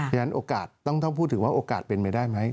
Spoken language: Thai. ฉะนั้นโอกาสต้องพูดถึงว่าโอกาสเป็นไปได้ไหม